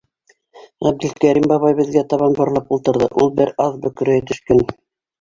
Ғәбделкәрим бабай беҙгә табан боролоп ултырҙы, ул бер аҙ бөкөрәйә төшкән.